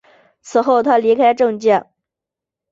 此后他离开政界。